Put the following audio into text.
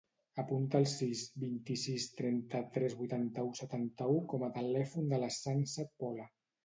Apunta el sis, vint-i-sis, trenta-tres, vuitanta-u, setanta-u com a telèfon de la Sança Pola.